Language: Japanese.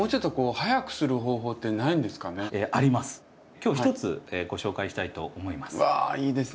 今日一つご紹介したいと思います。